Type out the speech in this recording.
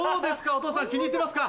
お父さん気に入ってますか？